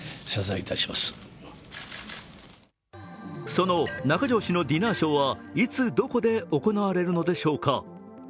その中条氏のディナーショーはいつどこで行われるのでしょうか。